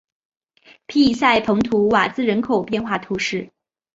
皮伊塞蓬图瓦兹人口变化图示